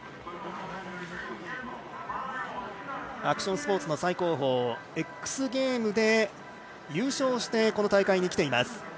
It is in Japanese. アクションスポーツの最高峰ＸＧＡＭＥＳで優勝してこの大会に来ています。